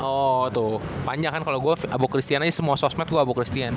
oh tuh panjang kan kalau gue abu christian aja semua sosmed gue abo christian